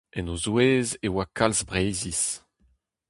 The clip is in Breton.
En o zouez e oa kalz Breizhiz.